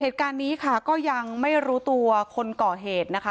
เหตุการณ์นี้ค่ะก็ยังไม่รู้ตัวคนก่อเหตุนะคะ